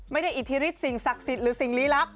อิทธิฤทธิสิ่งศักดิ์สิทธิ์หรือสิ่งลี้ลับ